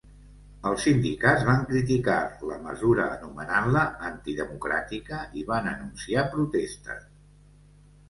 Els sindicats van criticar la mesura anomenant-la antidemocràtica i van anunciar protestes.